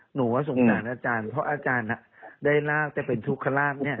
หนูก็สงสารอาจารย์เพราะอาจารย์ได้รูปได้ราบแต่เป็นสุขระวาด